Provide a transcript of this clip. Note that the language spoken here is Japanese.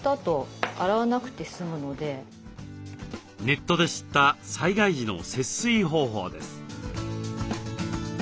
ネットで知った災害時の節水方法です。